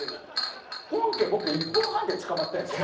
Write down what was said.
本家僕１分半で捕まってるんですよ。